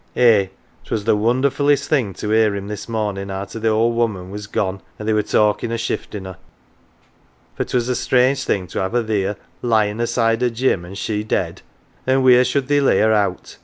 Eh, 'twas the wonderfullest thing to 'ear him this mornin' arter the owd woman was gone, an' they were talkin' o' shiftin' her for 'twas a strange thing to 'ave her theer lyin' aside o' Jim an' she dead. An' wheer should they lay her out?